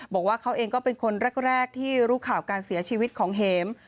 บอกว่าเขาเองก็เป็นคนแรกที่รู้ข่าวการเสียชีวิตของเห็ม